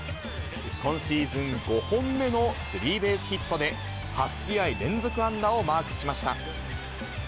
今シーズン５本目のスリーベースヒットで、８試合連続安打をマークしました。